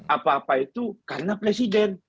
apa apa itu karena presiden